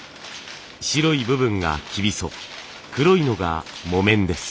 白い部分が生皮苧黒いのが木綿です。